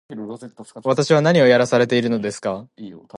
私は何をやらされているのですか